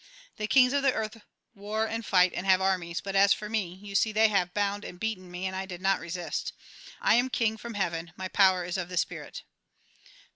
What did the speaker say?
The kings of the earth war and fight, and have armies ; but as for me, — you see they have bound and beaten me, and I did not resist. I am king from heaven : my power is of the spirit."